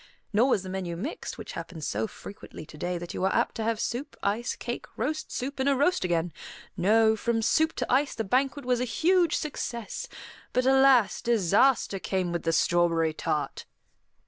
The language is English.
Nor was the menu mixed, which happens so frequently to day that you are apt to have soup, ice, cake, roast, soup, and a roast again. No, from soup to ice the banquet was a huge success; but, alas, disaster came with the strawberry tart.